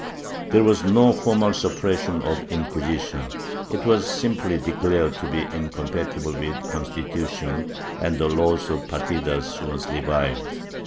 There was no formal suppression of the Incjuisi tion ; it was simply declared to be incompatible with the Constitu tion and the law of the Partidas was revived.